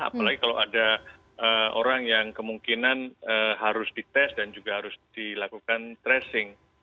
apalagi kalau ada orang yang kemungkinan harus dites dan juga harus dilakukan tracing